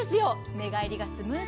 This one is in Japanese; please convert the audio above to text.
寝返りがスムーズ。